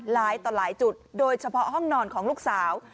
หลายต่อหลายจุดโดยเฉพาะห้องนอนของลูกสาว